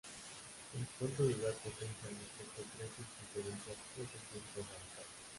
El punto de igual potencia respecto a tres circunferencias es el Centro Radical.